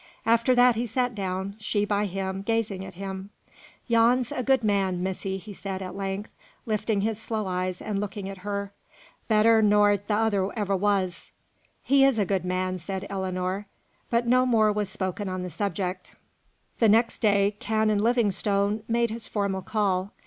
After that he sat down, she by him, gazing at him. "Yon's a good man, missy," he said, at length, lifting his slow eyes and looking at her. "Better nor t'other ever was." "He is a good man," said Ellinor. But no more was spoken on the subject. The next day, Canon Livingstone made his formal call.